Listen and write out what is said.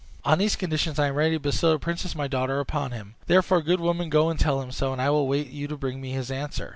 On these conditions I am ready to bestow the princess my daughter upon him; therefore, good woman, go and tell him so, and I will wait till you bring me his answer."